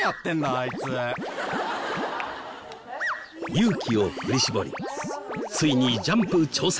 勇気を振り絞りついにジャンプ挑戦！